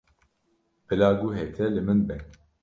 Bila guhê te li min be.